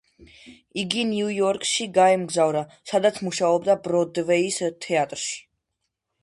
იგი ნიუ-იორკში გაემგზავრა, სადაც მუშაობდა ბროდვეის თეატრში.